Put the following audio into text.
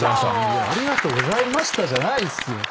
「ありがとうございました」じゃないっすよ。